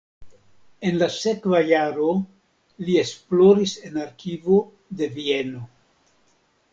En la sekva jaro li esploris en arkivo de Vieno.